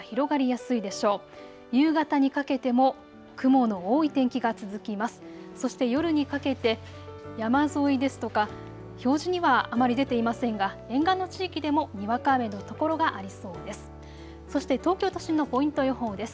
そして夜にかけて山沿いですとか表示にはあまり出ていませんが、沿岸の地域でもにわか雨の所がありそうです。